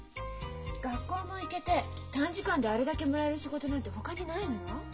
学校も行けて短時間であれだけもらえる仕事なんてほかにないのよ。